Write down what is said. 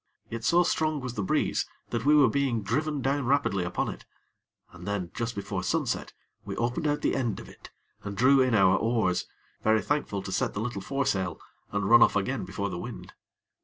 Yet so strong was the breeze, that we were being driven down rapidly upon it. And then, just before sunset, we opened out the end of it, and drew in our oars, very thankful to set the little foresail, and run off again before the wind.